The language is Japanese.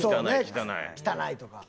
汚いとか。